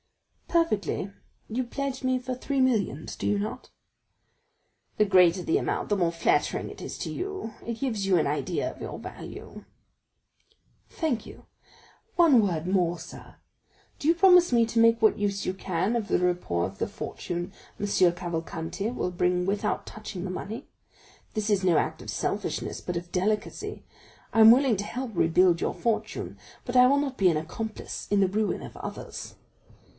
"Perfectly; you pledge me for three millions, do you not?" "The greater the amount, the more flattering it is to you; it gives you an idea of your value." "Thank you. One word more, sir; do you promise me to make what use you can of the report of the fortune M. Cavalcanti will bring without touching the money? This is no act of selfishness, but of delicacy. I am willing to help rebuild your fortune, but I will not be an accomplice in the ruin of others."